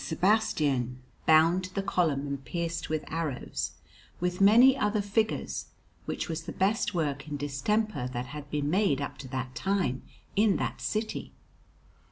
Sebastian bound to the column and pierced with arrows, with many other figures, which was the best work in distemper that had been made up to that time in that city.